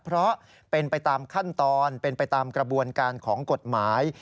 เพราะเป็นไปตามขั้นตอนเป็นไปตามกระบวนการของกฎหมาย